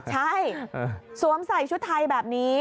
ใช่สวมใส่ชุดไทยแบบนี้